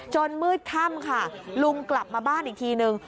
มืดค่ำค่ะลุงกลับมาบ้านอีกทีนึง